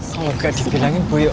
kalau enggak dibilangin bu yuk